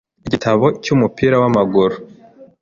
igitabo cy'umupira w'amaguru. ”